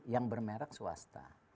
yang bermerek swasta